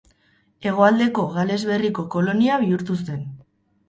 Hegoaldeko Gales Berriko kolonia bihurtu zen.